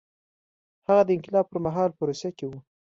هغه د انقلاب پر مهال په روسیه کې و